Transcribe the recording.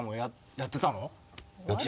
やってた？